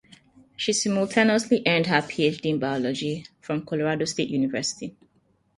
She simultaneously earned her PhD in Biology from Colorado State University.